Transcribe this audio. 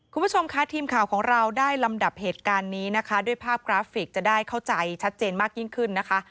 คุณผู้ชมค่ะทีมข่าวของเราได้ลำดับเหตุการณ์นี้นะคะด้วยภาพกราฟิกจะได้เข้าใจชัดเจนมากยิ่งขึ้นนะคะ